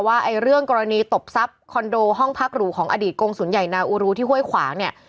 ไอ้เรื่องกรณีตบทรัพย์คอนโดห้องพักหรูของอดีตกงศูนย์ใหญ่นาอูรูที่ห้วยขวางเนี่ย